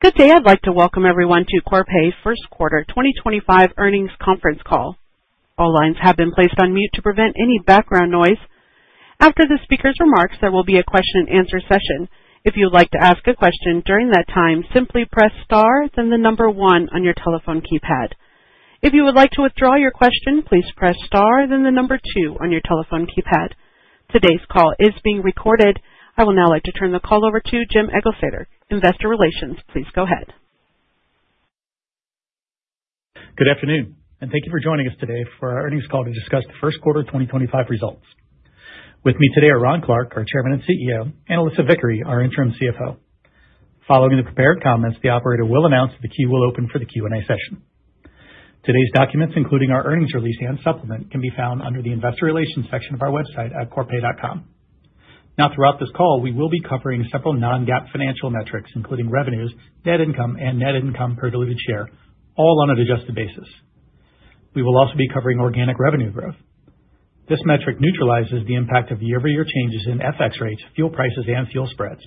Good day. I'd like to welcome everyone to Corpay's first quarter 2025 earnings conference call. All lines have been placed on mute to prevent any background noise. After the speaker's remarks, there will be a question-and-answer session. If you would like to ask a question during that time, simply press star, then the number one on your telephone keypad. If you would like to withdraw your question, please press star, then the number two on your telephone keypad. Today's call is being recorded. I will now like to turn the call over to Jim Eglseder, Investor Relations. Please go ahead. Good afternoon, and thank you for joining us today for our earnings call to discuss the first quarter 2025 results. With me today are Ron Clarke, our Chairman and CEO, and Alissa Vickery, our Interim CFO. Following the prepared comments, the operator will announce that the queue will open for the Q&A session. Today's documents, including our earnings release and supplement, can be found under the Investor Relations section of our website at corpay.com. Now, throughout this call, we will be covering several non-GAAP financial metrics, including revenues, net income, and net income per diluted share, all on a adjusted basis. We will also be covering organic revenue growth. This metric neutralizes the impact of year-over-year changes in FX rates, fuel prices, and fuel spreads.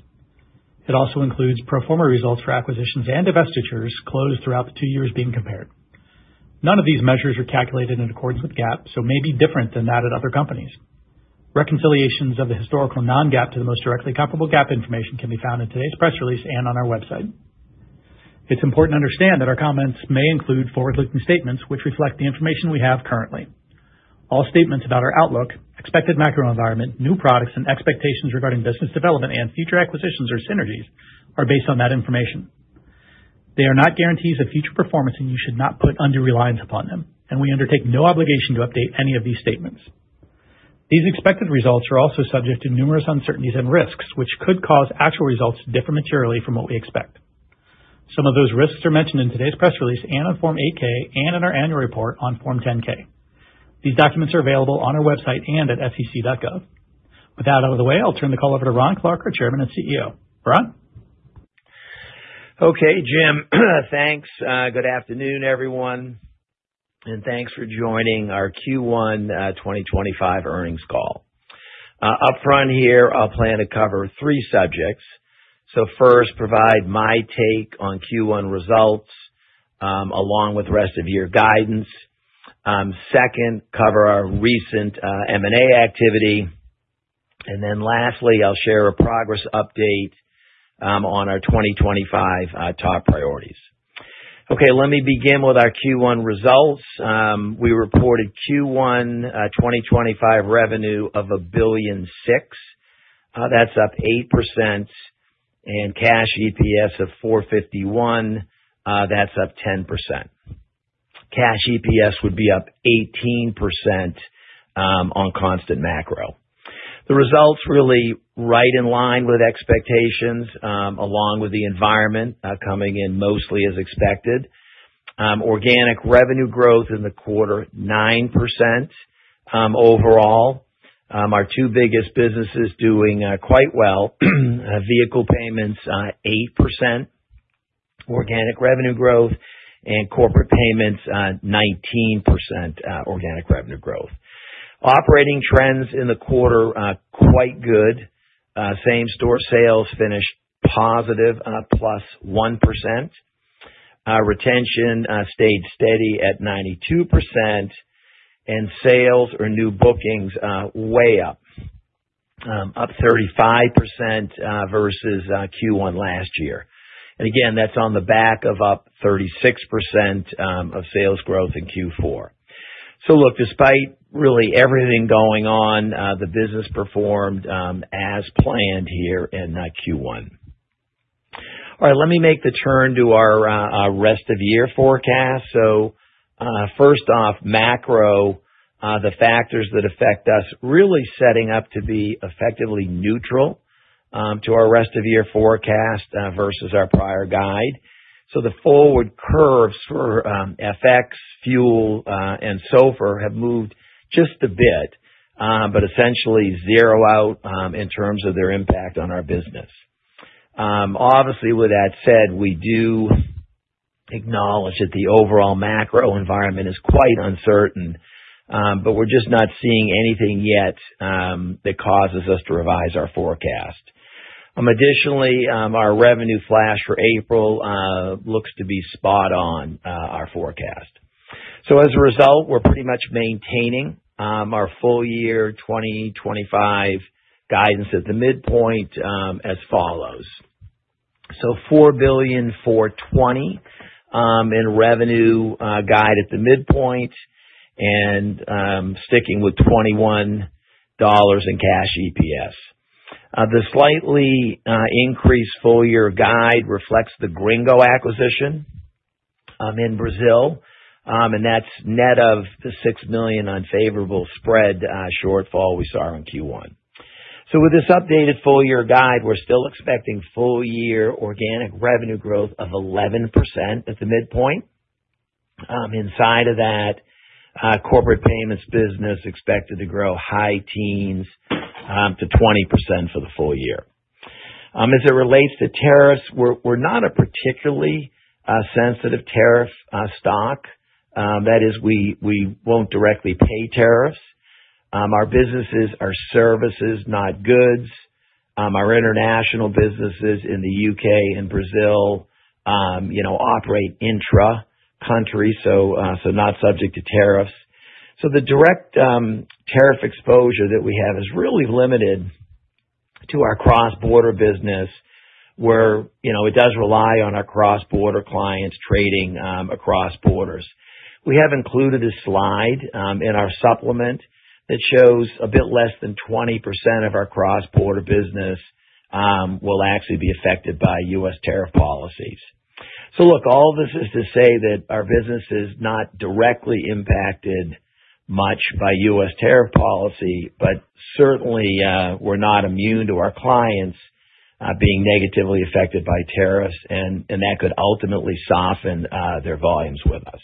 It also includes pro forma results for acquisitions and divestitures closed throughout the two years being compared. None of these measures are calculated in accordance with GAAP, so may be different than that at other companies. Reconciliations of the historical non-GAAP to the most directly comparable GAAP information can be found in today's press release and on our website. It's important to understand that our comments may include forward-looking statements which reflect the information we have currently. All statements about our outlook, expected macro environment, new products, and expectations regarding business development and future acquisitions or synergies are based on that information. They are not guarantees of future performance, and you should not put under reliance upon them, and we undertake no obligation to update any of these statements. These expected results are also subject to numerous uncertainties and risks which could cause actual results to differ materially from what we expect. Some of those risks are mentioned in today's press release and on Form 8K and in our annual report on Form 10K. These documents are available on our website and at sec.gov. With that out of the way, I'll turn the call over to Ron Clarke, our Chairman and CEO. Ron? Okay, Jim, thanks. Good afternoon, everyone, and thanks for joining our Q1 2025 earnings call. Up front here, I'll plan to cover three subjects. First, provide my take on Q1 results along with the rest of your guidance. Second, cover our recent M&A activity. Lastly, I'll share a progress update on our 2025 top priorities. Okay, let me begin with our Q1 results. We reported Q1 2025 revenue of $1.6 billion. That's up 8%, and cash EPS of $4.51. That's up 10%. Cash EPS would be up 18% on constant macro. The results really are right in line with expectations along with the environment coming in mostly as expected. Organic revenue growth in the quarter, 9% overall. Our two biggest businesses doing quite well. Vehicle payments, 8% organic revenue growth, and corporate payments, 19% organic revenue growth. Operating trends in the quarter, quite good. Same-store sales finished positive, plus 1%. Retention stayed steady at 92%, and sales or new bookings way up, up 35% versus Q1 last year. Again, that's on the back of up 36% of sales growth in Q4. Look, despite really everything going on, the business performed as planned here in Q1. All right, let me make the turn to our rest of year forecast. First off, macro, the factors that affect us really setting up to be effectively neutral to our rest of year forecast versus our prior guide. The forward curves for FX, fuel, and so far have moved just a bit, but essentially zero out in terms of their impact on our business. Obviously, with that said, we do acknowledge that the overall macro environment is quite uncertain, but we're just not seeing anything yet that causes us to revise our forecast. Additionally, our revenue flash for April looks to be spot on our forecast. As a result, we're pretty much maintaining our full year 2025 guidance at the midpoint as follows. $4.420 billion in revenue guide at the midpoint and sticking with $21 in cash EPS. The slightly increased full year guide reflects the Gringo acquisition in Brazil, and that's net of the $6 million unfavorable spread shortfall we saw in Q1. With this updated full year guide, we're still expecting full year organic revenue growth of 11% at the midpoint. Inside of that, corporate payments business expected to grow high teens to 20% for the full year. As it relates to tariffs, we're not a particularly sensitive tariff stock. That is, we won't directly pay tariffs. Our businesses are services, not goods. Our international businesses in the U.K. and Brazil operate intra-country, so not subject to tariffs. The direct tariff exposure that we have is really limited to our cross-border business, where it does rely on our cross-border clients trading across borders. We have included a slide in our supplement that shows a bit less than 20% of our cross-border business will actually be affected by U.S. tariff policies. All this is to say that our business is not directly impacted much by U.S. tariff policy, but certainly we're not immune to our clients being negatively affected by tariffs, and that could ultimately soften their volumes with us.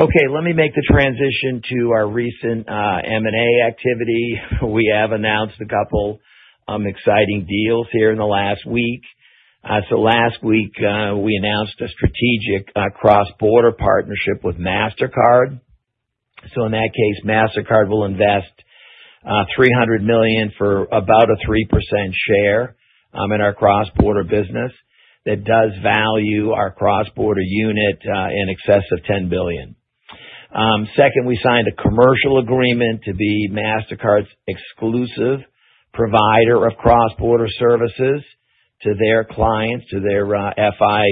Okay, let me make the transition to our recent M&A activity. We have announced a couple of exciting deals here in the last week. Last week, we announced a strategic cross-border partnership with Mastercard. In that case, Mastercard will invest $300 million for about a 3% share in our cross-border business that does value our cross-border unit in excess of $10 billion. Second, we signed a commercial agreement to be Mastercard's exclusive provider of cross-border services to their clients, to their FI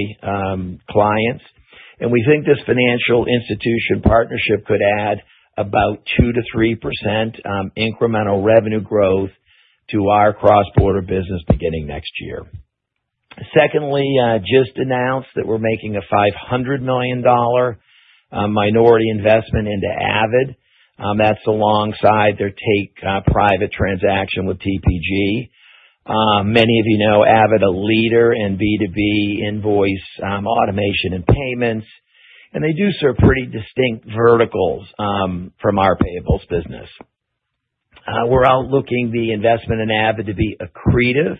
clients. We think this financial institution partnership could add about 2%-3% incremental revenue growth to our cross-border business beginning next year. Secondly, just announced that we're making a $500 million minority investment into Avid. That's alongside their take private transaction with TPG. Many of you know Avid, a leader in B2B invoice automation and payments, and they do serve pretty distinct verticals from our payables business. We're outlooking the investment in Avid to be accretive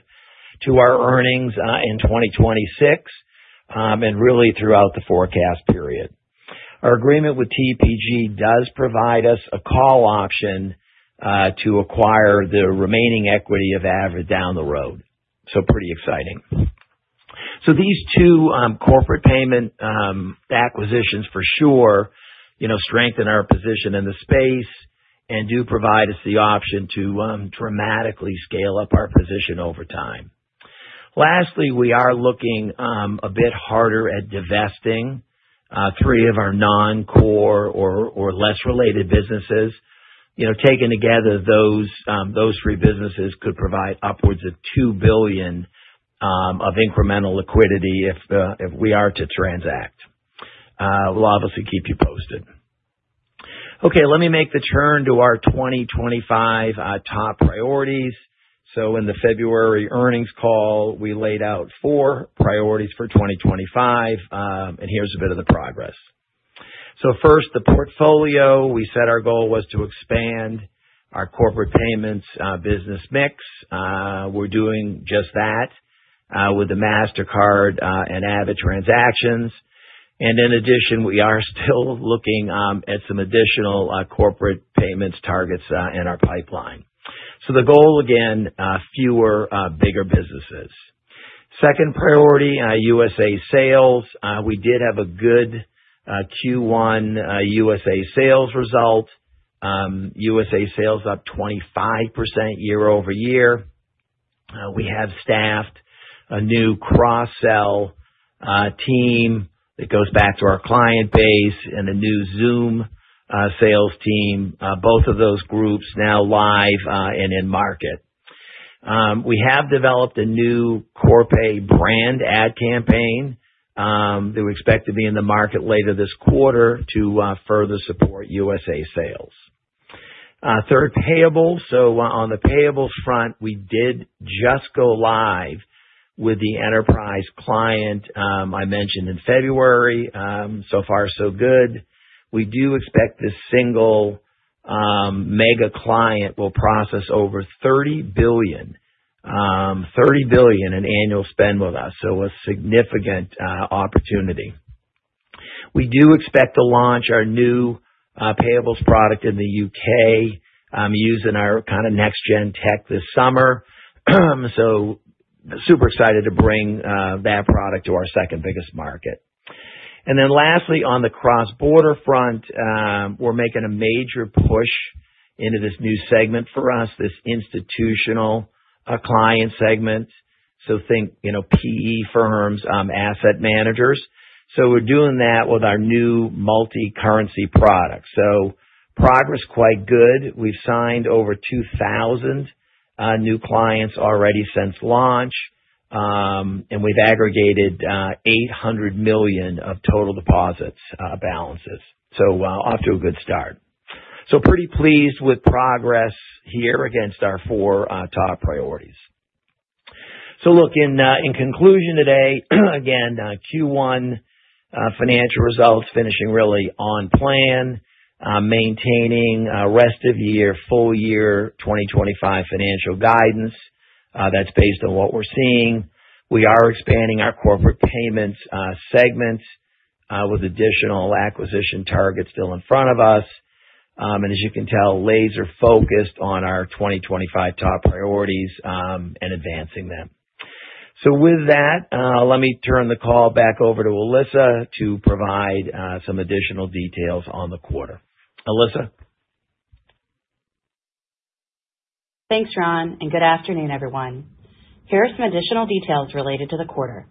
to our earnings in 2026 and really throughout the forecast period. Our agreement with TPG does provide us a call option to acquire the remaining equity of Avid down the road. So pretty exciting. So these two corporate payment acquisitions for sure strengthen our position in the space and do provide us the option to dramatically scale up our position over time. Lastly, we are looking a bit harder at divesting three of our non-core or less related businesses. Taken together, those three businesses could provide upwards of $2 billion of incremental liquidity if we are to transact. We'll obviously keep you posted. Okay, let me make the turn to our 2025 top priorities. In the February earnings call, we laid out four priorities for 2025, and here's a bit of the progress. First, the portfolio. We set our goal was to expand our corporate payments business mix. We're doing just that with the Mastercard and Avid transactions. In addition, we are still looking at some additional corporate payments targets in our pipeline. The goal, again, fewer bigger businesses. Second priority, U.S.A. sales. We did have a good Q1 U.S.A. sales result. U.S.A. sales up 25% year-over-year. We have staffed a new cross-sell team that goes back to our client base and a new Zoom sales team. Both of those groups now live and in market. We have developed a new Corpay brand ad campaign that we expect to be in the market later this quarter to further support U.S.A. sales. Third, payables. On the payables front, we did just go live with the enterprise client I mentioned in February. So far, so good. We do expect this single mega client will process over $30 billion in annual spend with us, so a significant opportunity. We do expect to launch our new payables product in the U.K. using our kind of next-gen tech this summer. Super excited to bring that product to our second biggest market. Lastly, on the cross-border front, we're making a major push into this new segment for us, this institutional client segment. Think PE firms, asset managers. We're doing that with our new multi-currency product. Progress, quite good. We've signed over 2,000 new clients already since launch, and we've aggregated $800 million of total deposits balances. Off to a good start. Pretty pleased with progress here against our four top priorities. Look, in conclusion today, again, Q1 financial results finishing really on plan, maintaining rest of year, full year 2025 financial guidance that's based on what we're seeing. We are expanding our corporate payments segments with additional acquisition targets still in front of us. As you can tell, laser-focused on our 2025 top priorities and advancing them. With that, let me turn the call back over to Alissa to provide some additional details on the quarter. Alissa? Thanks, Ron, and good afternoon, everyone. Here are some additional details related to the quarter.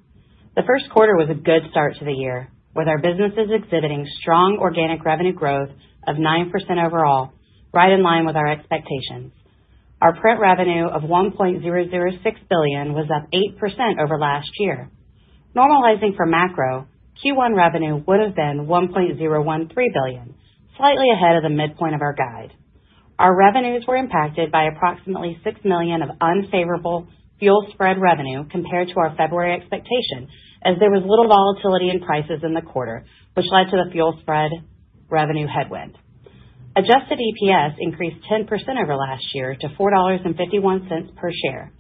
The first quarter was a good start to the year with our businesses exhibiting strong organic revenue growth of 9% overall, right in line with our expectations. Our print revenue of $1.006 billion was up 8% over last year. Normalizing for macro, Q1 revenue would have been $1.013 billion, slightly ahead of the midpoint of our guide. Our revenues were impacted by approximately $6 million of unfavorable fuel spread revenue compared to our February expectation as there was little volatility in prices in the quarter, which led to the fuel spread revenue headwind. Adjusted EPS increased 10% over last year to $4.51 per share.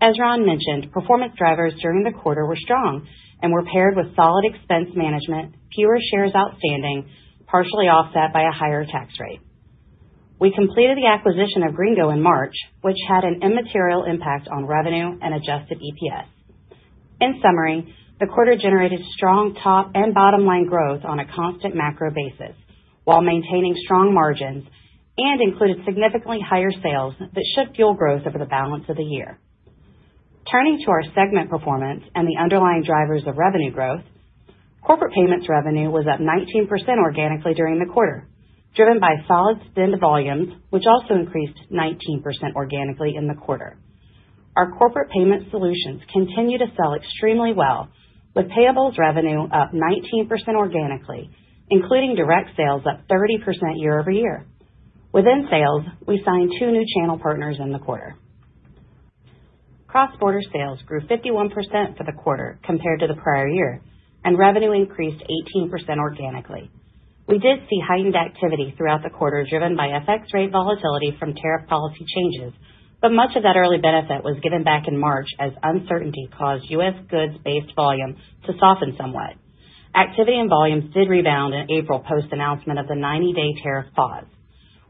As Ron mentioned, performance drivers during the quarter were strong and were paired with solid expense management, fewer shares outstanding, partially offset by a higher tax rate. We completed the acquisition of Gringo in March, which had an immaterial impact on revenue and adjusted EPS. In summary, the quarter generated strong top and bottom line growth on a constant macro basis while maintaining strong margins and included significantly higher sales that should fuel growth over the balance of the year. Turning to our segment performance and the underlying drivers of revenue growth, corporate payments revenue was up 19% organically during the quarter, driven by solid spend volumes, which also increased 19% organically in the quarter. Our corporate payment solutions continue to sell extremely well, with payables revenue up 19% organically, including direct sales up 30% year over year. Within sales, we signed two new channel partners in the quarter. Cross-border sales grew 51% for the quarter compared to the prior year, and revenue increased 18% organically. We did see heightened activity throughout the quarter driven by FX rate volatility from tariff policy changes, but much of that early benefit was given back in March as uncertainty caused U.S. goods-based volume to soften somewhat. Activity and volumes did rebound in April post-announcement of the 90-day tariff pause.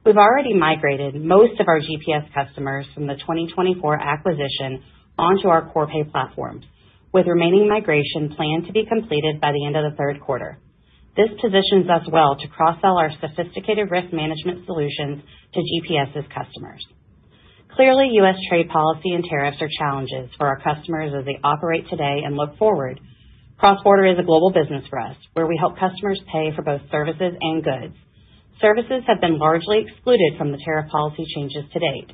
We've already migrated most of our GPS customers from the 2024 acquisition onto our Corpay platforms, with remaining migration planned to be completed by the end of the third quarter. This positions us well to cross-sell our sophisticated risk management solutions to GPS's customers. Clearly, U.S. trade policy and tariffs are challenges for our customers as they operate today and look forward. Cross-border is a global business for us, where we help customers pay for both services and goods. Services have been largely excluded from the tariff policy changes to date.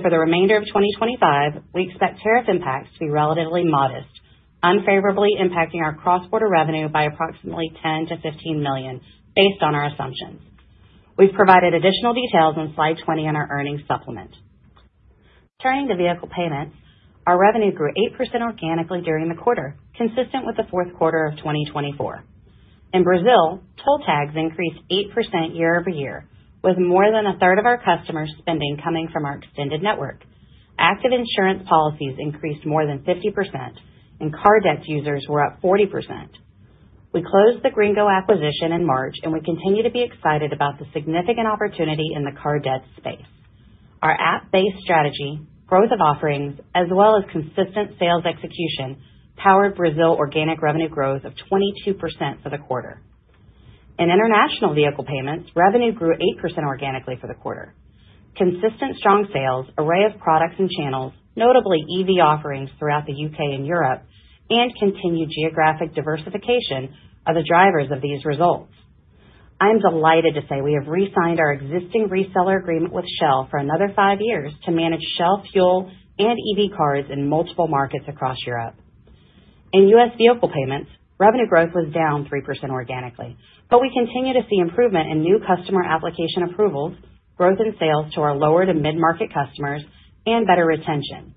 For the remainder of 2025, we expect tariff impacts to be relatively modest, unfavorably impacting our cross-border revenue by approximately $10 miliion-$15 million, based on our assumptions. We have provided additional details on slide 20 in our earnings supplement. Turning to vehicle payments, our revenue grew 8% organically during the quarter, consistent with the fourth quarter of 2024. In Brazil, toll tags increased 8% year-over-year, with more than a third of our customers' spending coming from our extended network. Active insurance policies increased more than 50%, and car debt users were up 40%. We closed the Gringo acquisition in March, and we continue to be excited about the significant opportunity in the car debt space. Our app-based strategy, growth of offerings, as well as consistent sales execution powered Brazil organic revenue growth of 22% for the quarter. In international vehicle payments, revenue grew 8% organically for the quarter. Consistent strong sales, array of products and channels, notably EV offerings throughout the U.K. and Europe, and continued geographic diversification are the drivers of these results. I am delighted to say we have re-signed our existing reseller agreement with Shell for another five years to manage Shell fuel and EV cards in multiple markets across Europe. In U.S. vehicle payments, revenue growth was down 3% organically, but we continue to see improvement in new customer application approvals, growth in sales to our lower to mid-market customers, and better retention.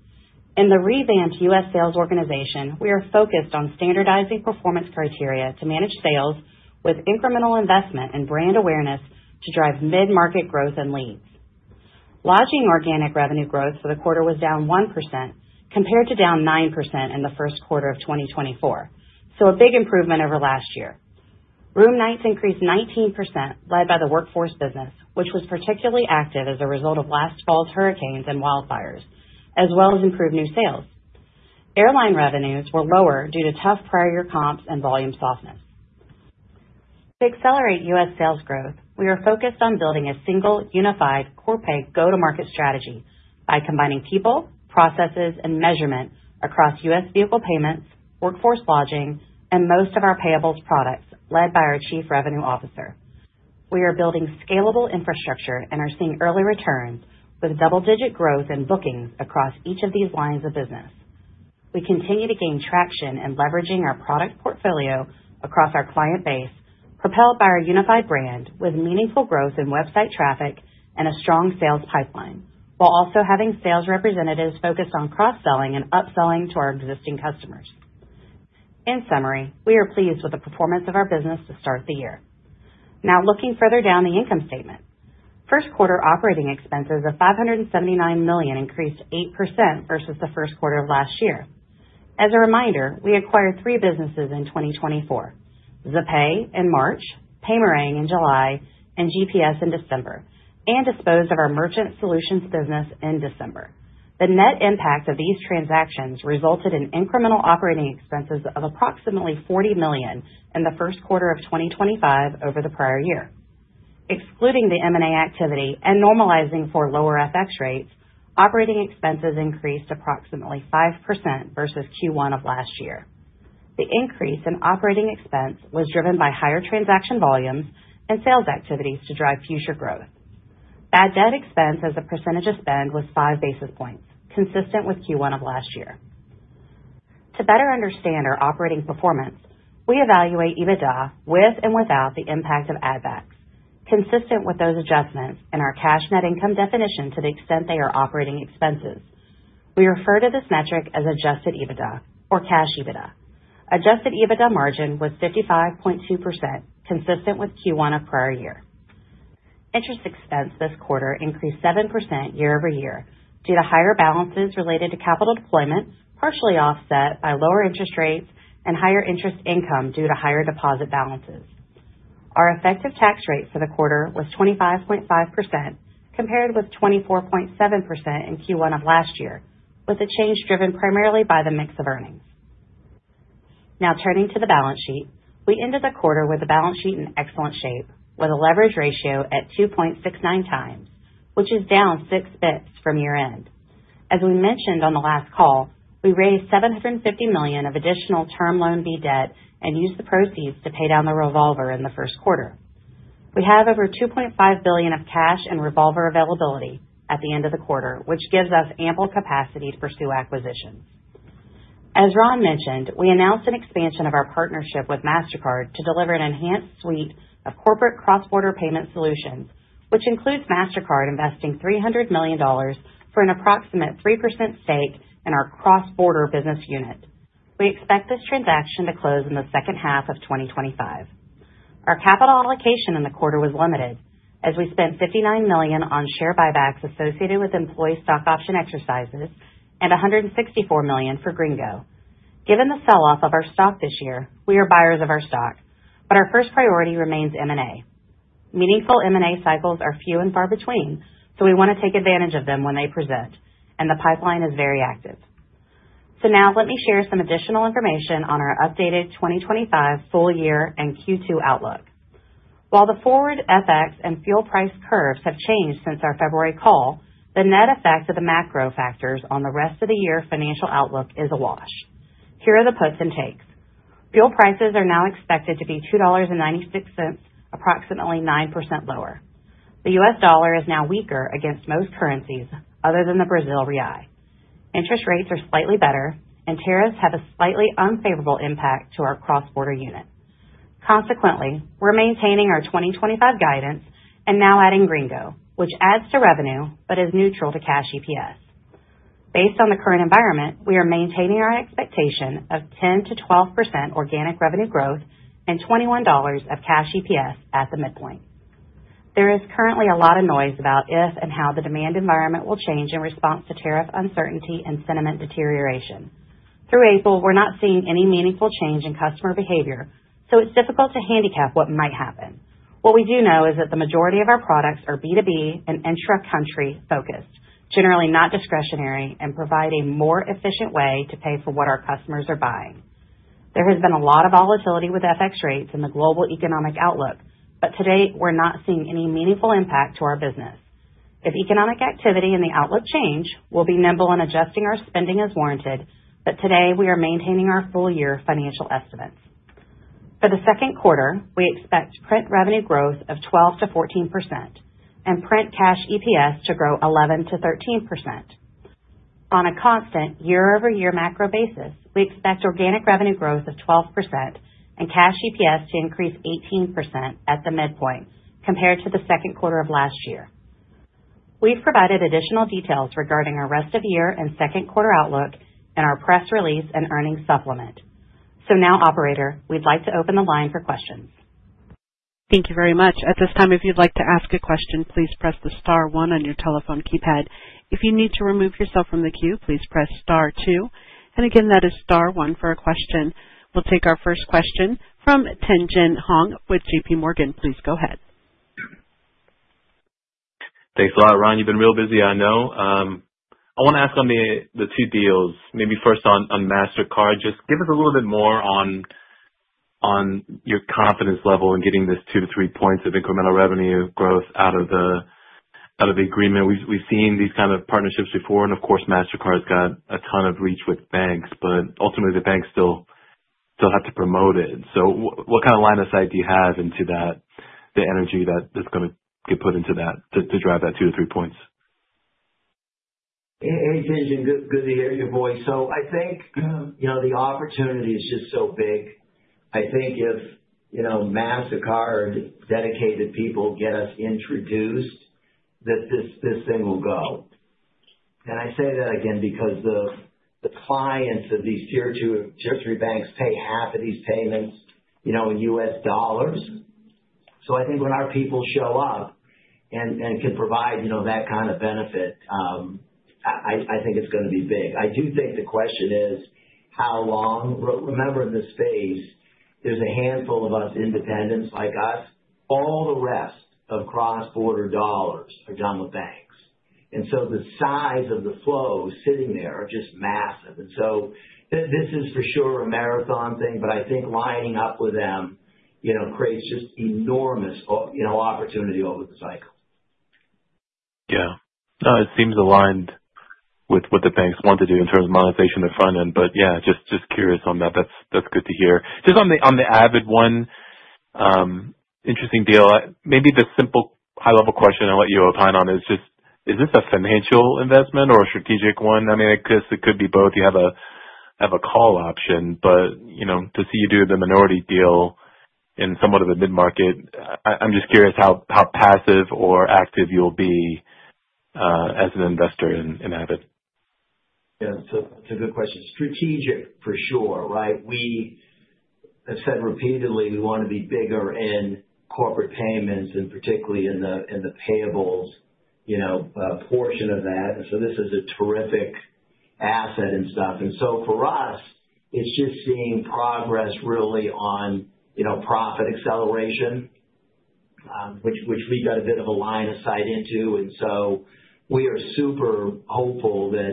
In the revamped U.S. sales organization, we are focused on standardizing performance criteria to manage sales with incremental investment and brand awareness to drive mid-market growth and leads. Lodging organic revenue growth for the quarter was down 1% compared to down 9% in the first quarter of 2024, so a big improvement over last year. Room nights increased 19%, led by the workforce business, which was particularly active as a result of last fall's hurricanes and wildfires, as well as improved new sales. Airline revenues were lower due to tough prior year comps and volume softness. To accelerate U.S. sales growth, we are focused on building a single, unified Corpay go-to-market strategy by combining people, processes, and measurement across U.S. vehicle payments, workforce lodging, and most of our payables products, led by our Chief Revenue Officer. We are building scalable infrastructure and are seeing early returns with double-digit growth in bookings across each of these lines of business. We continue to gain traction in leveraging our product portfolio across our client base, propelled by our unified brand with meaningful growth in website traffic and a strong sales pipeline, while also having sales representatives focused on cross-selling and upselling to our existing customers. In summary, we are pleased with the performance of our business to start the year. Now, looking further down the income statement, first quarter operating expenses of $579 million increased 8% versus the first quarter of last year. As a reminder, we acquired three businesses in 2024: Zapay in March, Paymerang in July, and GPS in December, and disposed of our merchant solutions business in December. The net impact of these transactions resulted in incremental operating expenses of approximately $40 million in the first quarter of 2025 over the prior year. Excluding the M&A activity and normalizing for lower FX rates, operating expenses increased approximately 5% versus Q1 of last year. The increase in operating expense was driven by higher transaction volumes and sales activities to drive future growth. Add debt expense as a percentage of spend was five basis points, consistent with Q1 of last year. To better understand our operating performance, we evaluate EBITDA with and without the impact of add-backs, consistent with those adjustments in our cash net income definition to the extent they are operating expenses. We refer to this metric as adjusted EBITDA, or cash EBITDA. Adjusted EBITDA margin was 55.2%, consistent with Q1 of prior year. Interest expense this quarter increased 7% year-over-year due to higher balances related to capital deployment, partially offset by lower interest rates and higher interest income due to higher deposit balances. Our effective tax rate for the quarter was 25.5%, compared with 24.7% in Q1 of last year, with the change driven primarily by the mix of earnings. Now, turning to the balance sheet, we ended the quarter with the balance sheet in excellent shape, with a leverage ratio at 2.69 times, which is down six basis points from year-end. As we mentioned on the last call, we raised $750 million of additional term loan B debt and used the proceeds to pay down the revolver in the first quarter. We have over $2.5 billion of cash and revolver availability at the end of the quarter, which gives us ample capacity to pursue acquisitions. As Ron mentioned, we announced an expansion of our partnership with Mastercard to deliver an enhanced suite of corporate cross-border payment solutions, which includes Mastercard investing $300 million for an approximate 3% stake in our cross-border business unit. We expect this transaction to close in the second half of 2025. Our capital allocation in the quarter was limited, as we spent $59 million on share buybacks associated with employee stock option exercises and $164 million for Gringo. Given the sell-off of our stock this year, we are buyers of our stock, but our first priority remains M&A. Meaningful M&A cycles are few and far between, so we want to take advantage of them when they present, and the pipeline is very active. Now, let me share some additional information on our updated 2025 full year and Q2 outlook. While the forward FX and fuel price curves have changed since our February call, the net effect of the macro factors on the rest of the year financial outlook is a wash. Here are the puts and takes. Fuel prices are now expected to be $2.96, approximately 9% lower. The U.S. dollar is now weaker against most currencies other than the Brazil real. Interest rates are slightly better, and tariffs have a slightly unfavorable impact to our cross-border unit. Consequently, we're maintaining our 2025 guidance and now adding Gringo, which adds to revenue but is neutral to cash EPS. Based on the current environment, we are maintaining our expectation of 10%-12% organic revenue growth and $21 of cash EPS at the midpoint. There is currently a lot of noise about if and how the demand environment will change in response to tariff uncertainty and sentiment deterioration. Through April, we're not seeing any meaningful change in customer behavior, so it's difficult to handicap what might happen. What we do know is that the majority of our products are B2B and intra-country focused, generally not discretionary and provide a more efficient way to pay for what our customers are buying. There has been a lot of volatility with FX rates and the global economic outlook, but today we're not seeing any meaningful impact to our business. If economic activity and the outlook change, we'll be nimble in adjusting our spending as warranted, but today we are maintaining our full year financial estimates. For the second quarter, we expect print revenue growth of 12%-14% and print cash EPS to grow 11%-13%. On a constant year-over-year macro basis, we expect organic revenue growth of 12% and cash EPS to increase 18% at the midpoint compared to the second quarter of last year. We've provided additional details regarding our rest of year and second quarter outlook in our press release and earnings supplement. Now, operator, we'd like to open the line for questions. Thank you very much. At this time, if you'd like to ask a question, please press the star one on your telephone keypad. If you need to remove yourself from the queue, please press star two. Again, that is star one for a question. We'll take our first question from Tien-Tsin Huang with JPMorgan. Please go ahead. Thanks a lot, Ron. You've been real busy, I know. I want to ask on the two deals, maybe first on Mastercard. Just give us a little bit more on your confidence level in getting this two to three points of incremental revenue growth out of the agreement. We've seen these kinds of partnerships before, and of course, Mastercard's got a ton of reach with banks, but ultimately, the banks still have to promote it. What kind of line of sight do you have into that, the energy that's going to get put into that to drive that two to three points? Hey, Tenzhen, good to hear your voice. I think the opportunity is just so big. I think if Mastercard dedicated people get us introduced, this thing will go. I say that again because the clients of these tier two banks pay half of these payments in U.S. dollars. I think when our people show up and can provide that kind of benefit, I think it's going to be big. I do think the question is how long. Remember, in this space, there's a handful of us independents like us. All the rest of cross-border dollars are done with banks. The size of the flow sitting there are just massive. This is for sure a marathon thing, but I think lining up with them creates just enormous opportunity over the cycle. Yeah. No, it seems aligned with what the banks want to do in terms of monetization of their front end. Yeah, just curious on that. That's good to hear. Just on the Avid one, interesting deal. Maybe the simple high-level question I'll let you opine on is just, is this a financial investment or a strategic one? I mean, I guess it could be both. You have a call option, but to see you do the minority deal in somewhat of a mid-market, I'm just curious how passive or active you'll be as an investor in Avid. Yeah. It's a good question. Strategic, for sure, right? We have said repeatedly we want to be bigger in corporate payments, and particularly in the payables portion of that. This is a terrific asset and stuff. For us, it is just seeing progress really on profit acceleration, which we have got a bit of a line of sight into. We are super hopeful that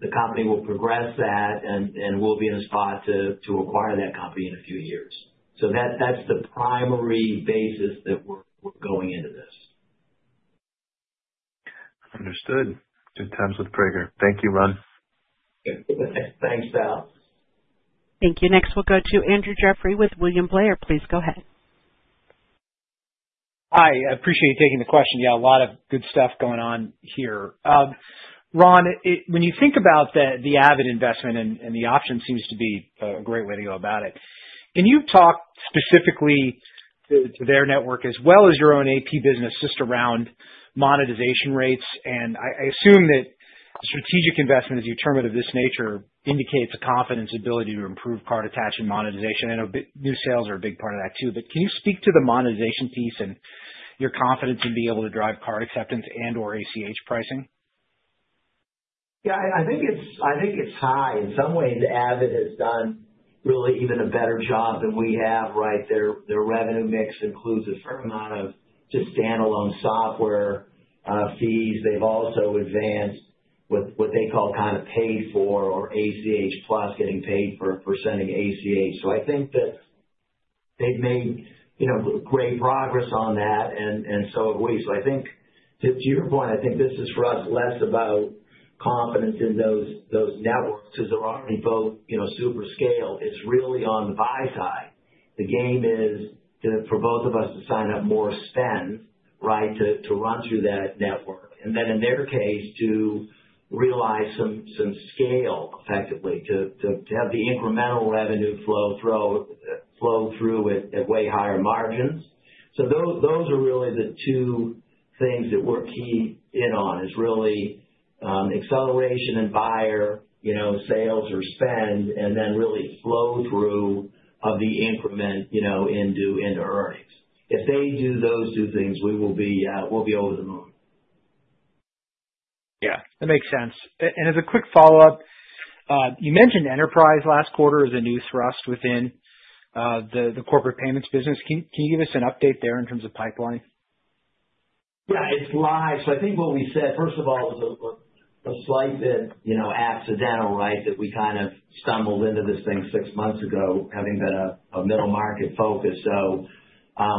the company will progress that and we will be in a spot to acquire that company in a few years. That is the primary basis that we are going into this. Understood. In terms with prager. Thank you, Ron. Thanks, Pal. Thank you. Next, we will go to Andrew Jeffrey with William Blair. Please go ahead. Hi. I appreciate you taking the question. Yeah, a lot of good stuff going on here. Ron, when you think about the Avid investment and the option seems to be a great way to go about it, can you talk specifically to their network as well as your own AP business just around monetization rates? I assume that strategic investment, as you term it of this nature, indicates a confidence ability to improve card attachment monetization. I know new sales are a big part of that too, but can you speak to the monetization piece and your confidence in being able to drive card acceptance and/or ACH pricing? Yeah. I think it's high. In some ways, Avid has done really even a better job than we have, right? Their revenue mix includes a fair amount of just standalone software fees. They've also advanced what they call kind of paid for or ACH plus getting paid for sending ACH. I think that they've made great progress on that in so many ways. I think to your point, I think this is for us less about confidence in those networks because they're already both super scale. It's really on the buy side. The game is for both of us to sign up more spend, right, to run through that network, and then in their case to realize some scale effectively to have the incremental revenue flow through at way higher margins. Those are really the two things that we're key in on is really acceleration and buyer sales or spend, and then really flow through of the increment into earnings. If they do those two things, we'll be over the moon. Yeah. That makes sense. As a quick follow-up, you mentioned enterprise last quarter as a new thrust within the corporate payments business. Can you give us an update there in terms of pipeline? Yeah. It's live. I think what we said, first of all, was a slight bit accidental, right, that we kind of stumbled into this thing six months ago having been a middle market focus.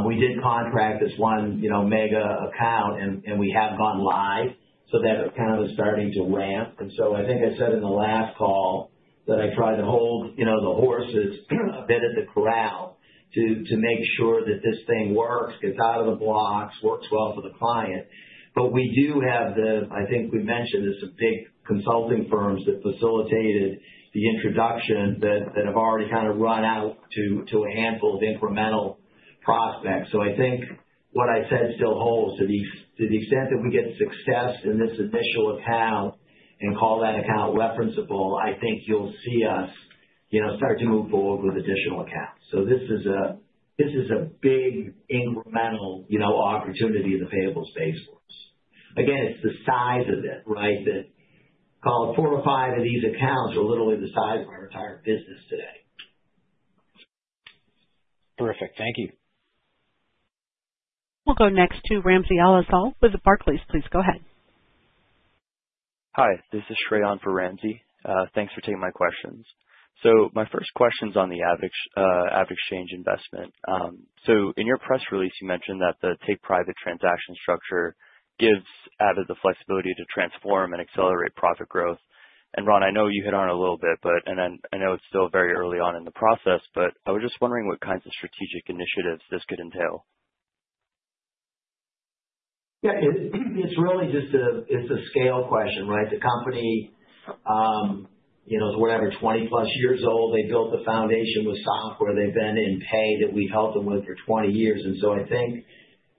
We did contract this one mega account, and we have gone live, so that kind of is starting to ramp. I think I said in the last call that I tried to hold the horses a bit at the corral to make sure that this thing works, gets out of the blocks, works well for the client. We do have the, I think we mentioned there's some big consulting firms that facilitated the introduction that have already kind of run out to a handful of incremental prospects. I think what I said still holds. To the extent that we get success in this initial account and call that account referenceable, I think you'll see us start to move forward with additional accounts. This is a big incremental opportunity in the payables space for us. Again, it's the size of it, right? Call it four or five of these accounts are literally the size of our entire business today. Terrific. Thank you. We'll go next to Ramsey El-Assal with Barclays. Please go ahead. Hi. This is Shrey on for Ramsey. Thanks for taking my questions. My first question is on the AvidXchange investment. In your press release, you mentioned that the take-private transaction structure gives Avid the flexibility to transform and accelerate profit growth. Ron, I know you hit on it a little bit, and I know it's still very early on in the process, but I was just wondering what kinds of strategic initiatives this could entail. Yeah. It's really just a scale question, right? The company is, whatever, 20 plus years old. They built the foundation with software. They've been in pay that we've helped them with for 20 years. I think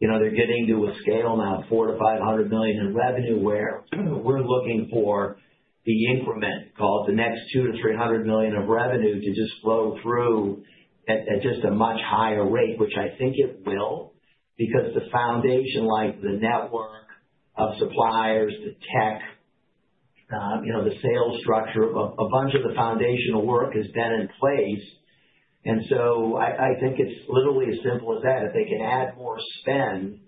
they're getting to a scale now of $400 million-$500 million in revenue where we're looking for the increment called the next $200 million-$300 million of revenue to just flow through at just a much higher rate, which I think it will because the foundation, like the network of suppliers, the tech, the sales structure, a bunch of the foundational work has been in place. I think it's literally as simple as that. If they can add more spend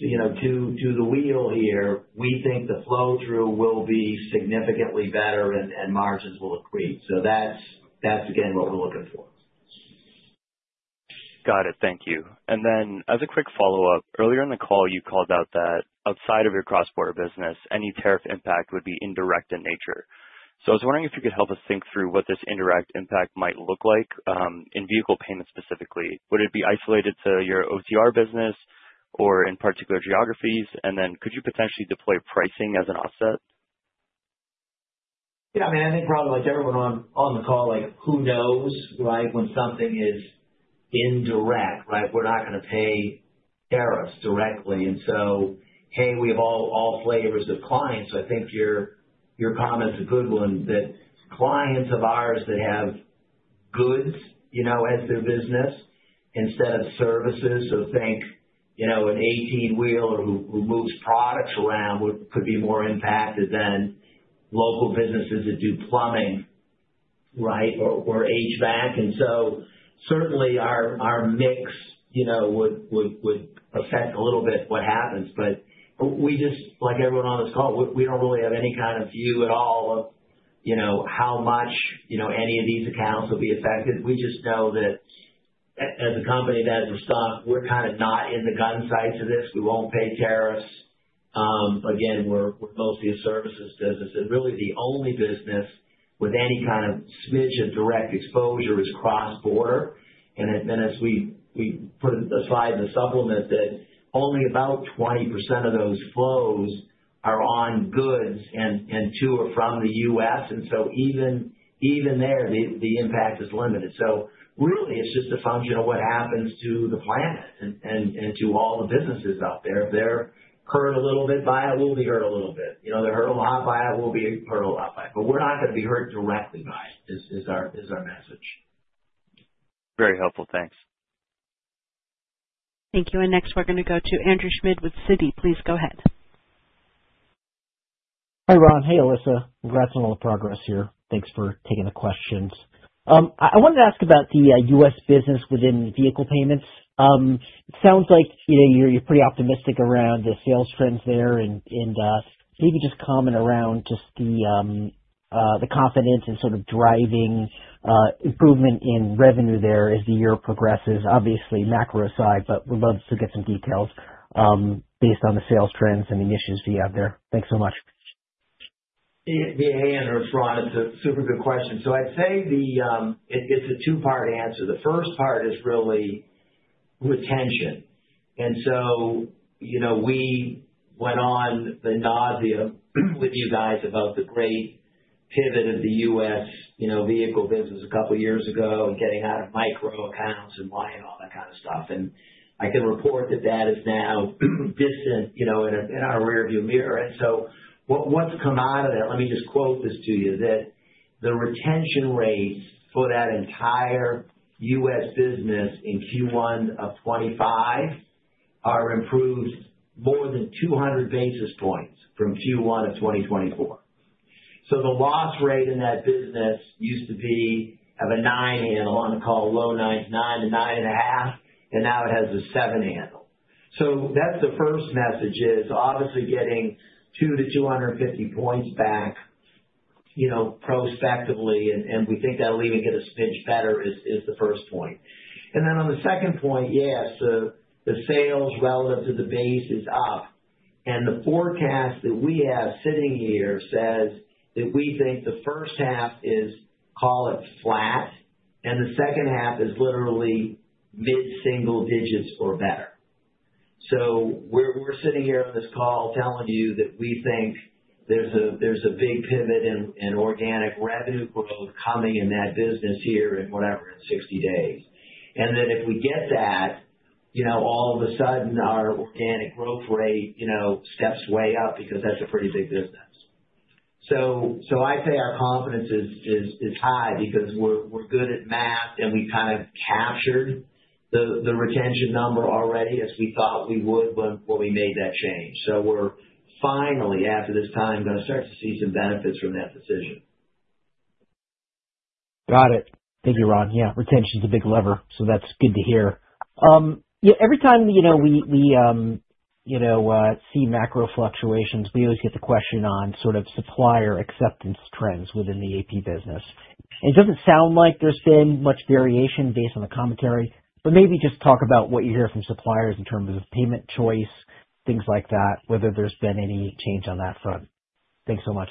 to the wheel here, we think the flow through will be significantly better and margins will accrete. That is, again, what we are looking for. Got it. Thank you. As a quick follow-up, earlier in the call, you called out that outside of your cross-border business, any tariff impact would be indirect in nature. I was wondering if you could help us think through what this indirect impact might look like in vehicle payments specifically. Would it be isolated to your OTR business or in particular geographies? Could you potentially deploy pricing as an offset? Yeah. I mean, I think, Ron, like everyone on the call, who knows, right, when something is indirect, right? We are not going to pay tariffs directly. We have all flavors of clients. I think your comment's a good one, that clients of ours that have goods as their business instead of services. Think an 18-wheeler who moves products around could be more impacted than local businesses that do plumbing, right, or HVAC. Certainly our mix would affect a little bit what happens. Like everyone on this call, we don't really have any kind of view at all of how much any of these accounts will be affected. We just know that as a company that has a stock, we're kind of not in the gun sights of this. We won't pay tariffs. Again, we're mostly a services business. Really the only business with any kind of smidge of direct exposure is cross-border. As we put aside the supplement, only about 20% of those flows are on goods and to or from the U.S. Even there, the impact is limited. Really, it is just a function of what happens to the planet and to all the businesses out there. If they are hurt a little bit by it, we will be hurt a little bit. If they are hurt a lot by it, we will be hurt a lot by it. We are not going to be hurt directly by it is our message. Very helpful. Thanks. Thank you. Next, we are going to go to Andrew Schmidt with Citi. Please go ahead. Hi, Ron. Hey, Alissa. Congrats on all the progress here. Thanks for taking the questions. I wanted to ask about the U.S. business within vehicle payments. It sounds like you are pretty optimistic around the sales trends there. Maybe just comment around the confidence and sort of driving improvement in revenue there as the year progresses. Obviously, macro side, but we'd love to get some details based on the sales trends and the initiatives you have there. Thanks so much. Hey, Andrew, it's Ron. It's a super good question. I'd say it's a two-part answer. The first part is really retention. We went on the nausea with you guys about the great pivot of the U.S. vehicle business a couple of years ago and getting out of micro accounts and buying all that kind of stuff. I can report that that is now distant in our rearview mirror. What's come out of that, let me just quote this to you, that the retention rates for that entire U.S. business in Q1 of 2025 are improved more than 200 basis points from Q1 of 2024. The loss rate in that business used to be of a nine handle on the call, low nine to nine and a half, and now it has a seven handle. That is the first message, obviously getting two to 250 points back prospectively, and we think that will even get a smidge better, is the first point. On the second point, yes, the sales relative to the base is up. The forecast that we have sitting here says that we think the first half is, call it flat, and the second half is literally mid-single digits or better. We are sitting here on this call telling you that we think there is a big pivot in organic revenue growth coming in that business here in whatever in 60 days. If we get that, all of a sudden, our organic growth rate steps way up because that's a pretty big business. I'd say our confidence is high because we're good at math, and we've kind of captured the retention number already as we thought we would when we made that change. We're finally, after this time, going to start to see some benefits from that decision. Got it. Thank you, Ron. Retention's a big lever. That's good to hear. Every time we see macro fluctuations, we always get the question on sort of supplier acceptance trends within the AP business. It doesn't sound like there's been much variation based on the commentary, but maybe just talk about what you hear from suppliers in terms of payment choice, things like that, whether there's been any change on that front. Thanks so much.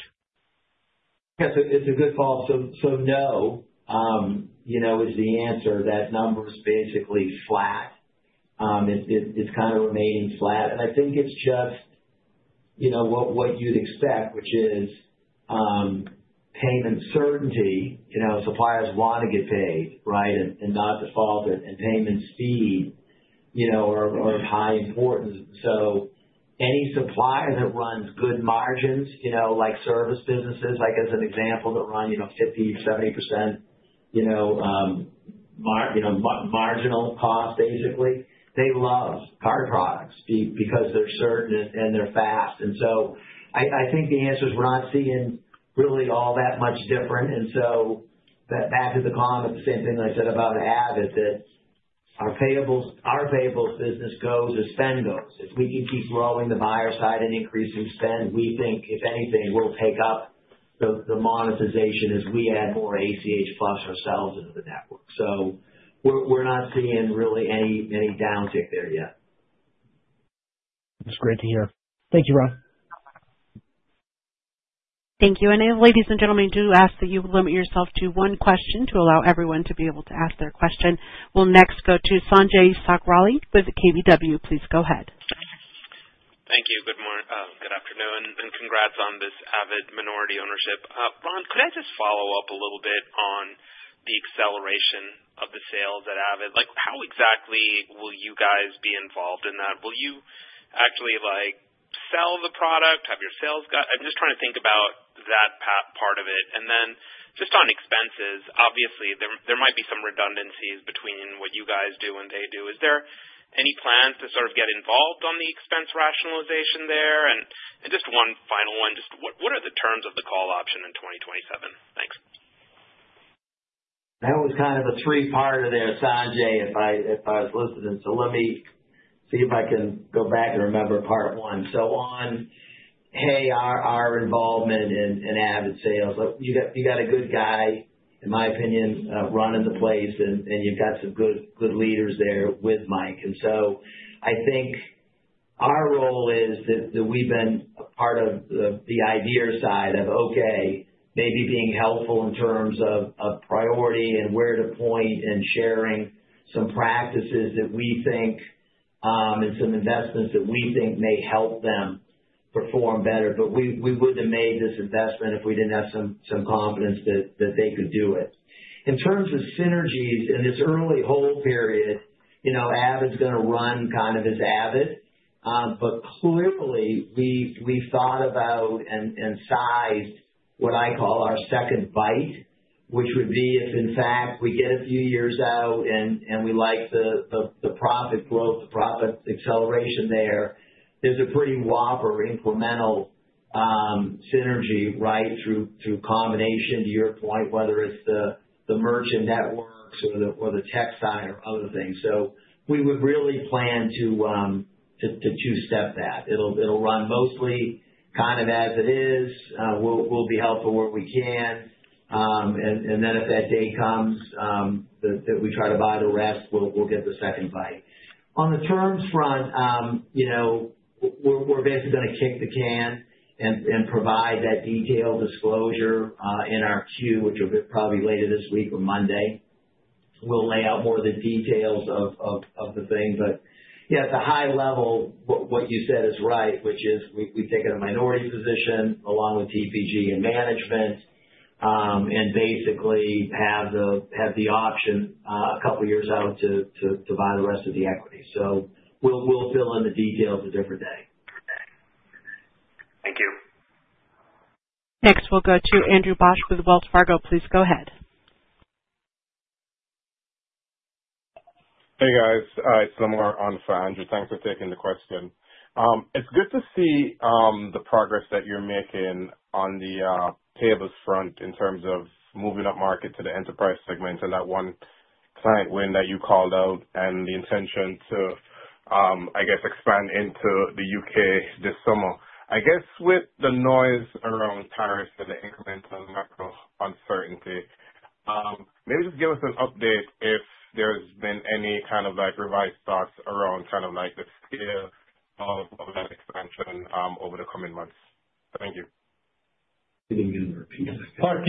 Yeah. It's a good follow-up. No is the answer. That number's basically flat. It's kind of remaining flat. I think it's just what you'd expect, which is payment certainty. Suppliers want to get paid, right, and not default, and payment speed are of high importance. Any supplier that runs good margins, like service businesses, as an example, that run 50%-70% marginal cost, basically, they love card products because they're certain and they're fast. I think the answer is we're not seeing really all that much different. Back to the comment, the same thing that I said about Avid, that our payables business goes as spend goes. If we can keep rolling the buyer side and increasing spend, we think, if anything, we'll take up the monetization as we add more ACH plus ourselves into the network. We're not seeing really any downtick there yet. That's great to hear. Thank you, Ron. Thank you. Ladies and gentlemen, do ask that you limit yourself to one question to allow everyone to be able to ask their question. We'll next go to Sanjay Sakhrani with KBW. Please go ahead. Thank you. Good afternoon. Congrats on this Avid minority ownership. Ron, could I just follow up a little bit on the acceleration of the sales at Avid? How exactly will you guys be involved in that? Will you actually sell the product, have your sales guy? I'm just trying to think about that part of it. Just on expenses, obviously, there might be some redundancies between what you guys do and they do. Is there any plans to sort of get involved on the expense rationalization there? Just one final one. Just what are the terms of the call option in 2027? Thanks. That was kind of a three-part of there, Sanjay, if I was listening. Let me see if I can go back and remember part one. On, hey, our involvement in Avid sales. You got a good guy, in my opinion, running the place, and you have some good leaders there with Mike. I think our role is that we have been a part of the idea side of, okay, maybe being helpful in terms of priority and where to point and sharing some practices that we think and some investments that we think may help them perform better. We would not have made this investment if we did not have some confidence that they could do it. In terms of synergies in this early hold period, Avid is going to run kind of as Avid. Clearly, we've thought about and sized what I call our second bite, which would be if, in fact, we get a few years out and we like the profit growth, the profit acceleration there, there's a pretty whopper incremental synergy, right, through combination, to your point, whether it's the merchant networks or the textile or other things. We would really plan to two-step that. It'll run mostly kind of as it is. We'll be helpful where we can. If that day comes that we try to buy the rest, we'll get the second bite. On the terms front, we're basically going to kick the can and provide that detailed disclosure in our queue, which will be probably later this week or Monday. We'll lay out more of the details of the thing. Yeah, at the high level, what you said is right, which is we take a minority position along with TPG and management and basically have the option a couple of years out to buy the rest of the equity. We will fill in the details a different day. Thank you. Next, we will go to Andrew Bauch with Wells Fargo. Please go ahead. Hey, guys. It is Lamar on the phone. Thanks for taking the question. It is good to see the progress that you are making on the payables front in terms of moving up market to the enterprise segment and that one client win that you called out and the intention to, I guess, expand into the U.K. this summer. I guess with the noise around tariffs and the incremental macro uncertainty, maybe just give us an update if there's been any kind of revised thoughts around kind of the scale of that expansion over the coming months. Thank you. Can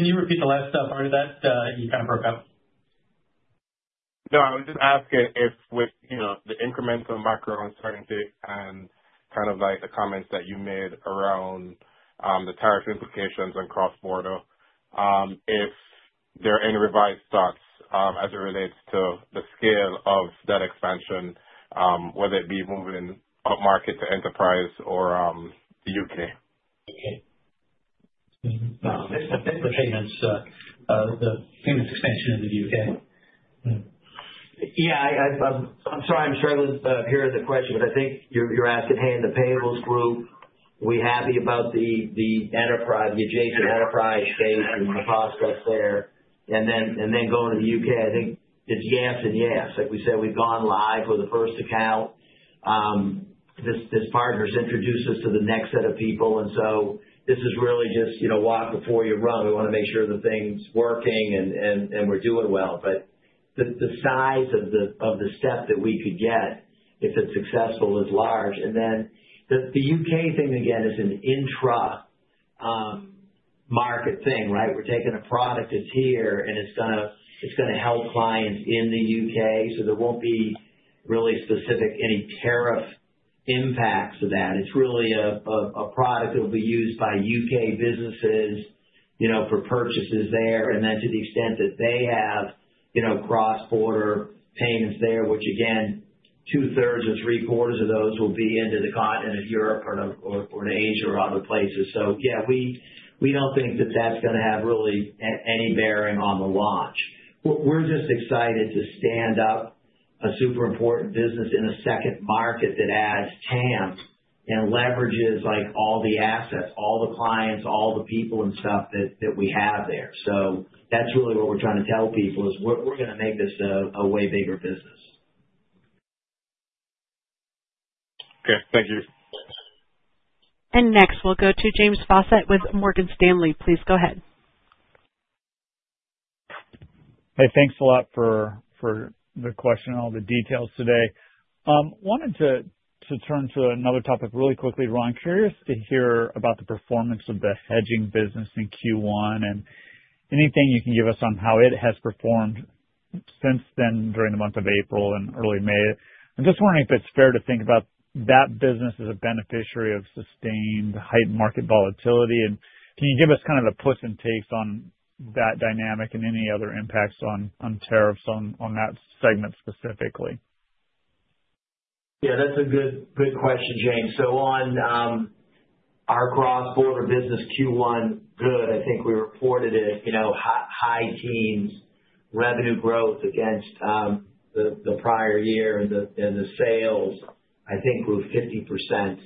you repeat the last part of that? You kind of broke up. No, I was just asking if with the incremental macro uncertainty and kind of the comments that you made around the tariff implications and cross-border, if there are any revised thoughts as it relates to the scale of that expansion, whether it be moving up market to enterprise or the U.K. U.K.? The payments expansion in the U.K. Yeah. I'm sorry. I'm struggling to hear the question, but I think you're asking hey, in the payables group, we're happy about the adjacent enterprise space and the prospects there. Going to the U.K., I think it's yes and yes. Like we said, we've gone live with the first account. This partner's introduced us to the next set of people. This is really just walk before you run. We want to make sure the thing's working and we're doing well. The size of the step that we could get, if it's successful, is large. The U.K. thing, again, is an intra-market thing, right? We're taking a product that's here, and it's going to help clients in the U.K. There won't be really specific any tariff impacts to that. It's really a product that will be used by U.K. businesses for purchases there. To the extent that they have cross-border payments there, which again, two-thirds or three-quarters of those will be into the continent of Europe or to Asia or other places. Yeah, we do not think that is going to have really any bearing on the launch. We are just excited to stand up a super important business in a second market that adds TAM and leverages all the assets, all the clients, all the people and stuff that we have there. That is really what we are trying to tell people: we are going to make this a way bigger business. Okay. Thank you. Next, we will go to James Fawcett with Morgan Stanley. Please go ahead. Hey, thanks a lot for the question and all the details today. Wanted to turn to another topic really quickly, Ron. Curious to hear about the performance of the hedging business in Q1 and anything you can give us on how it has performed since then during the month of April and early May. I'm just wondering if it's fair to think about that business as a beneficiary of sustained height market volatility. Can you give us kind of the puts and takes on that dynamic and any other impacts on tariffs on that segment specifically? That's a good question, James. On our cross-border business Q1, good. I think we reported it, high teens revenue growth against the prior year and the sales. I think we're 50%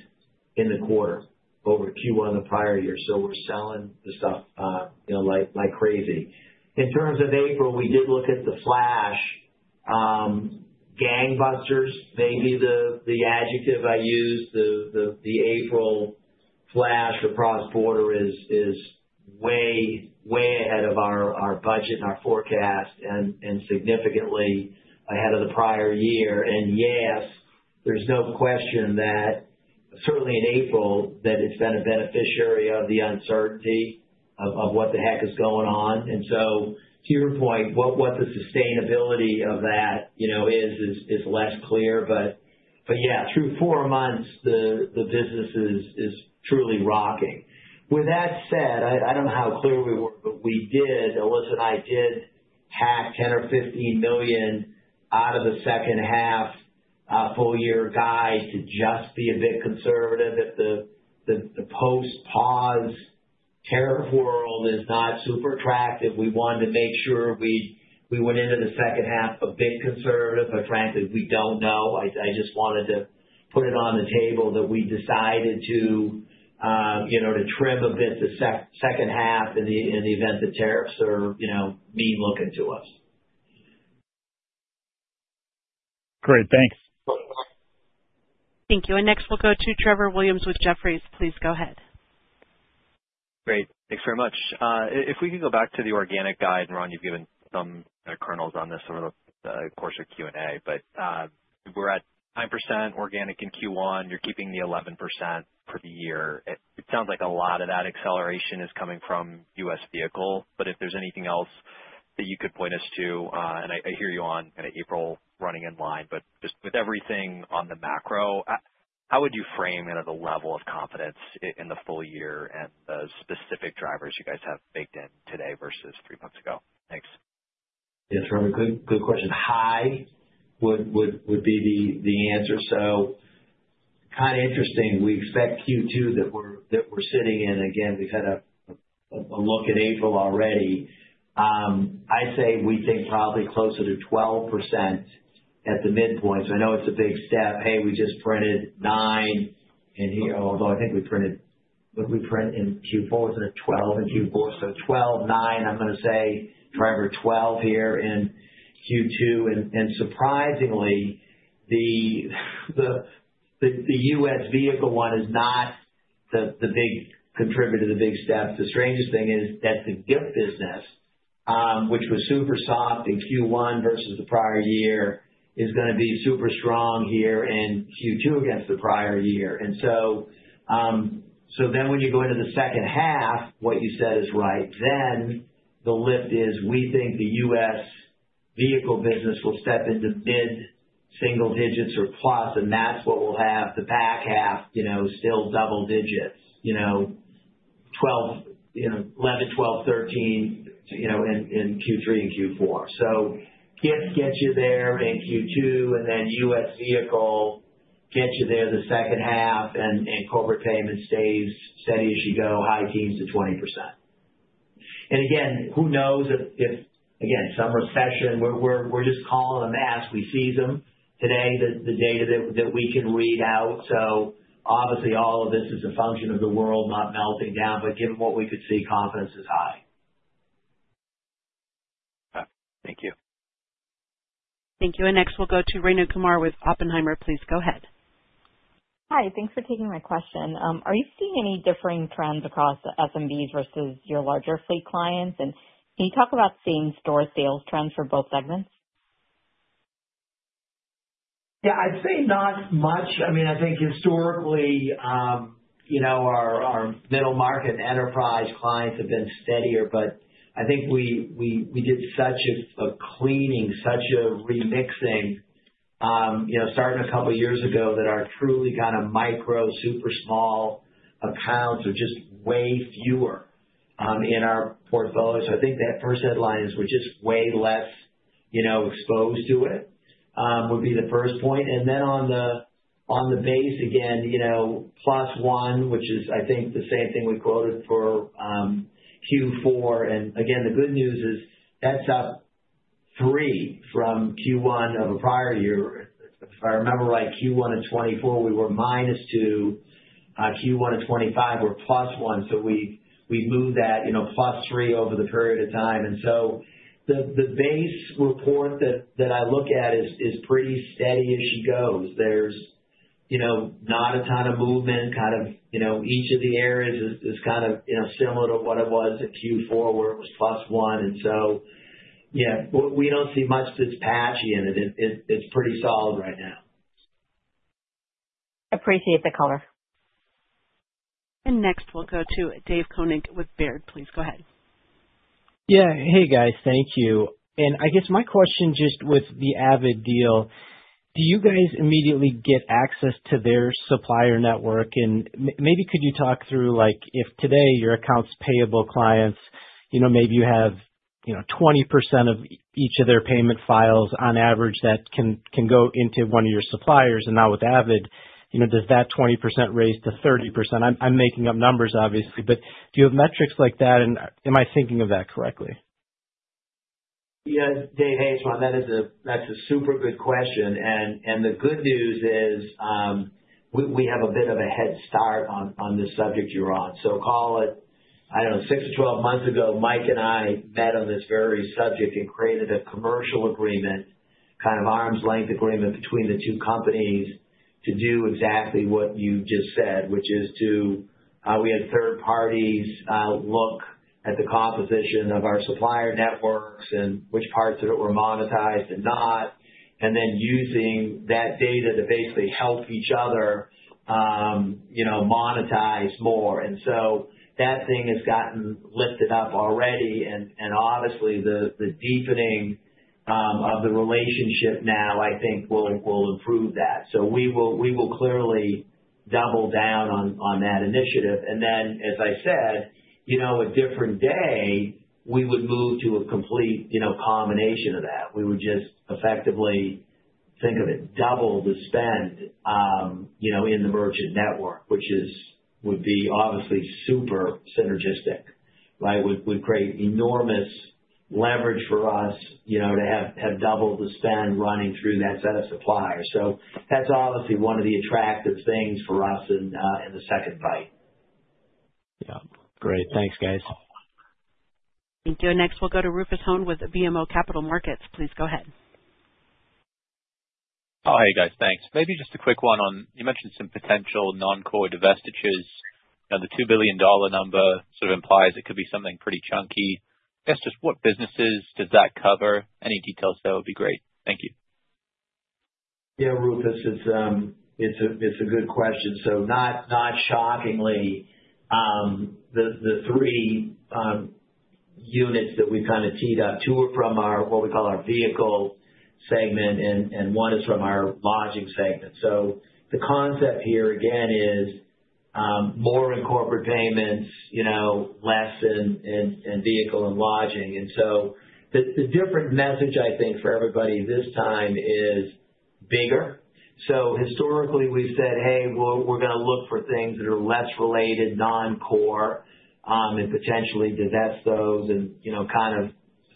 in the quarter over Q1 the prior year. We're selling the stuff like crazy. In terms of April, we did look at the flash gangbusters, maybe the adjective I used, the April flash or cross-border is way, way ahead of our budget and our forecast and significantly ahead of the prior year. Yes, there is no question that certainly in April that it has been a beneficiary of the uncertainty of what the heck is going on. To your point, what the sustainability of that is, is less clear. Yeah, through four months, the business is truly rocking. With that said, I do not know how clear we were, but we did, Alissa and I did hack $10 million or $15 million out of the second half full-year guide to just be a bit conservative if the post-pause tariff world is not super attractive. We wanted to make sure we went into the second half a bit conservative, but frankly, we do not know. I just wanted to put it on the table that we decided to trim a bit the second half in the event that tariffs are mean-looking to us. Great. Thanks. Thank you. Next, we'll go to Trevor Williams with Jefferies. Please go ahead. Great. Thanks very much. If we can go back to the organic guide, Ron, you've given some kernels on this over the course of Q&A, but we're at 9% organic in Q1. You're keeping the 11% for the year. It sounds like a lot of that acceleration is coming from US vehicle, but if there's anything else that you could point us to, and I hear you on kind of April running in line, but just with everything on the macro, how would you frame kind of the level of confidence in the full year and the specific drivers you guys have baked in today versus three months ago? Thanks. Yeah, Trevor, good question. High would be the answer. Kind of interesting. We expect Q2 that we're sitting in. Again, we've had a look at April already. I'd say we think probably closer to 12% at the midpoint. I know it's a big step. Hey, we just printed nine, although I think we printed what did we print in Q4? Wasn't it 12 in Q4? So 12, nine, I'm going to say, Trevor, 12 here in Q2. Surprisingly, the US vehicle one is not the big contributor, the big step. The strangest thing is that the gift business, which was super soft in Q1 versus the prior year, is going to be super strong here in Q2 against the prior year. When you go into the second half, what you said is right. The lift is we think the US vehicle business will step into mid-single digits or plus, and that is what will have the back half still double digits, 11%-13% in Q3 and Q4. Gifts get you there in Q2, and then US vehicle gets you there the second half, and corporate payment stays steady as you go, high teens to 20%. Again, who knows if, again, some recession. We are just calling them as we see them today, the data that we can read out. Obviously, all of this is a function of the world not melting down, but given what we could see, confidence is high. Thank you. Thank you. Next, we'll go to Rayna Kumar with Oppenheimer. Please go ahead. Hi. Thanks for taking my question. Are you seeing any differing trends across SMBs versus your larger fleet clients? Can you talk about seeing store sales trends for both segments? Yeah, I'd say not much. I mean, I think historically, our middle market enterprise clients have been steadier, but I think we did such a cleaning, such a remixing starting a couple of years ago that our truly kind of micro, super small accounts are just way fewer in our portfolio. I think that first headline is we're just way less exposed to it would be the first point. On the base, again, plus one, which is, I think, the same thing we quoted for Q4. The good news is that's up three from Q1 of a prior year. If I remember right, Q1 of 2024, we were minus two. Q1 of 2025, we're plus one. We moved that plus three over the period of time. The base report that I look at is pretty steady as she goes. There's not a ton of movement. Each of the areas is similar to what it was in Q4, where it was plus one. We do not see much that's patchy in it. It's pretty solid right now. Appreciate the color. Next, we'll go to Dave Koenig with Baird. Please go ahead. Yeah. Hey, guys. Thank you. I guess my question just with the Avid deal, do you guys immediately get access to their supplier network? Maybe could you talk through if today your accounts payable clients, maybe you have 20% of each of their payment files on average that can go into one of your suppliers. Now with Avid, does that 20% raise to 30%? I'm making up numbers, obviously, but do you have metrics like that? Am I thinking of that correctly? Yeah. Dave, hey, that's a super good question. The good news is we have a bit of a head start on this subject you're on. Call it, I don't know, six to 12 months ago, Mike and I met on this very subject and created a commercial agreement, kind of arm's length agreement between the two companies to do exactly what you just said, which is to have third parties look at the composition of our supplier networks and which parts of it were monetized and not, and then using that data to basically help each other monetize more. That thing has gotten lifted up already. Obviously, the deepening of the relationship now, I think, will improve that. We will clearly double down on that initiative. As I said, a different day, we would move to a complete combination of that. We would just effectively think of it as double the spend in the merchant network, which would be obviously super synergistic, right? Would create enormous leverage for us to have double the spend running through that set of suppliers. That is obviously one of the attractive things for us in the second fight. Yeah. Great. Thanks, guys. Thank you. Next, we'll go to Rufus Hone with BMO Capital Markets. Please go ahead. Oh, hey, guys. Thanks. Maybe just a quick one on you mentioned some potential non-core divestitures. The $2 billion number sort of implies it could be something pretty chunky. I guess just what businesses does that cover? Any details there would be great. Thank you. Yeah, Rufus, it's a good question. Not shockingly, the three units that we kind of teed up, two are from what we call our vehicle segment, and one is from our lodging segment. The concept here, again, is more in corporate payments, less in vehicle and lodging. The different message, I think, for everybody this time is bigger. Historically, we've said, "Hey, we're going to look for things that are less related, non-core, and potentially divest those and kind of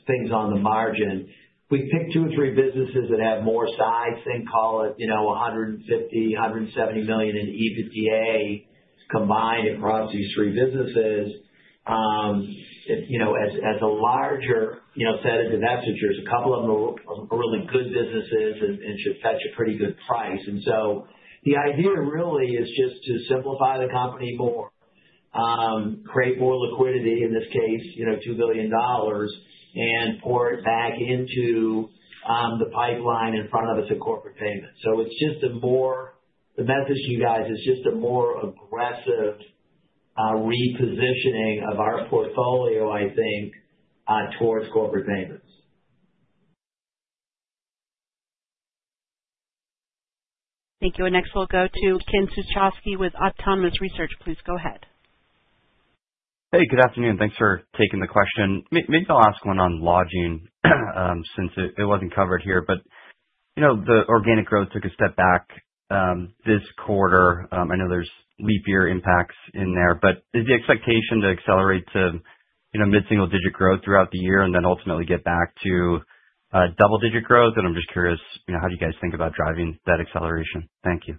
things on the margin." We pick two or three businesses that have more size, think call it $150 million-$170 million in EBITDA combined across these three businesses as a larger set of divestitures. A couple of them are really good businesses and should fetch a pretty good price. The idea really is just to simplify the company more, create more liquidity, in this case, $2 billion, and pour it back into the pipeline in front of us at corporate payments. The message, you guys, is just a more aggressive repositioning of our portfolio, I think, towards corporate payments. Thank you. Next, we'll go to Ken Suchoski with Autonomous Research. Please go ahead. Hey, good afternoon. Thanks for taking the question. Maybe I'll ask one on lodging since it was not covered here, but the organic growth took a step back this quarter. I know there are leap year impacts in there, but is the expectation to accelerate to mid-single digit growth throughout the year and then ultimately get back to double digit growth? I am just curious, how do you guys think about driving that acceleration? Thank you.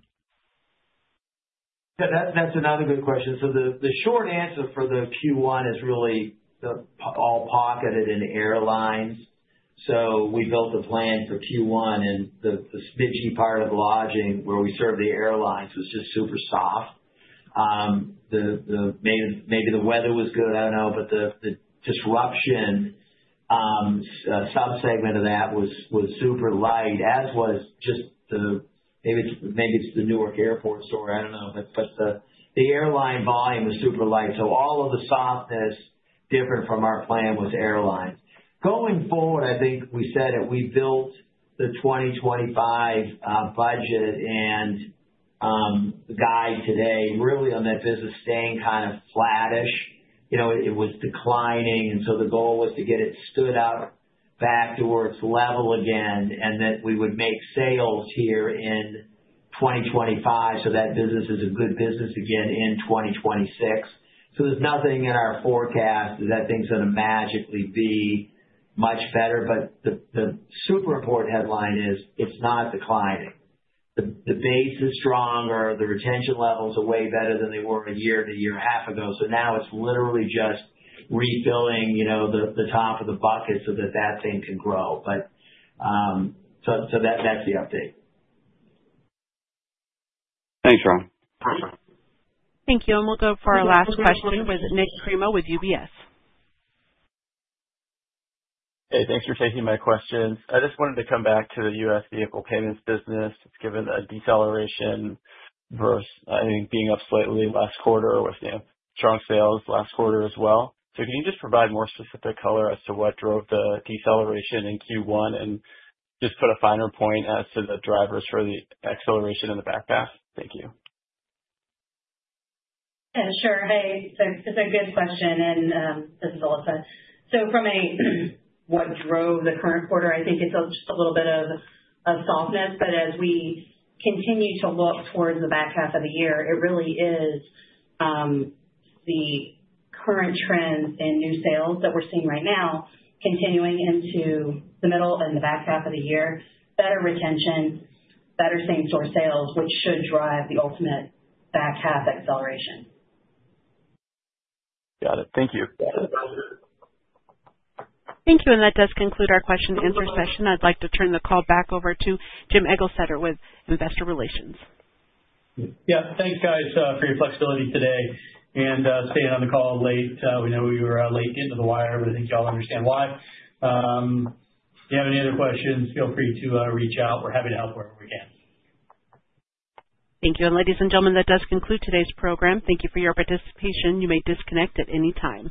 Yeah, that is another good question. The short answer for the Q1 is really all pocketed in airlines. We built a plan for Q1, and the smidgy part of lodging where we serve the airlines was just super soft. Maybe the weather was good, I don't know, but the disruption, some segment of that was super light, as was just the maybe it's the Newark Airport store. I don't know. The airline volume was super light. All of the softness different from our plan with airlines. Going forward, I think we said it. We built the 2025 budget and the guide today really on that business staying kind of flattish. It was declining. The goal was to get it stood up back to where it's level again and that we would make sales here in 2025. That business is a good business again in 2026. There is nothing in our forecast that things are going to magically be much better. The super important headline is it's not declining. The base is stronger. The retention levels are way better than they were a year to a year and a half ago. Now it is literally just refilling the top of the bucket so that that thing can grow. That is the update. Thanks, Ron. Perfect. Thank you. We will go for our last question with Nik Cremo with UBS. Hey, thanks for taking my questions. I just wanted to come back to the US vehicle payments business. It has given a deceleration versus I think being up slightly last quarter with strong sales last quarter as well. Can you just provide more specific color as to what drove the deceleration in Q1 and just put a finer point as to the drivers for the acceleration in the backpath? Thank you. Sure. Hey, it is a good question. This is Alissa. From what drove the current quarter, I think it's just a little bit of softness. As we continue to look towards the back half of the year, it really is the current trends in new sales that we're seeing right now continuing into the middle and the back half of the year, better retention, better same-store sales, which should drive the ultimate back half acceleration. Got it. Thank you. Thank you. That does conclude our question-and-answer session. I'd like to turn the call back over to Jim Eglseder with Investor Relations. Yeah. Thanks, guys, for your flexibility today and staying on the call late. We know we were late getting to the wire, but I think y'all understand why. If you have any other questions, feel free to reach out. We're happy to help wherever we can. Thank you. Ladies and gentlemen, that does conclude today's program. Thank you for your participation. You may disconnect at any time.